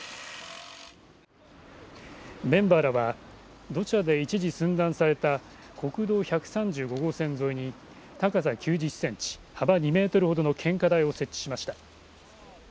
メンバーらは土砂で一時寸断された国道１３５号線沿いに高さ９０センチ幅２メートルほどの献花台を設置しました。